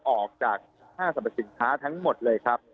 ออกจากห้างสรรพสินค้าทั้งหมดเลยครับ